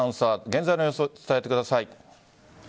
現在の様子を伝えてください。